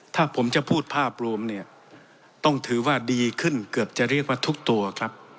ถ้าผมจะพูดภาพรวมเนี่ยต้องถือว่าดีขึ้นเกือบจะเรียกว่าทุกตัวครับ